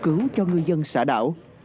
cứu cho ngư dân xã đảo